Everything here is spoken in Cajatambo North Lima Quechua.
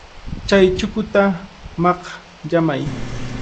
Chay chukuta makyamay.